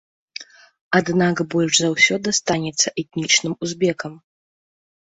Аднак больш за ўсё дастанецца этнічным узбекам.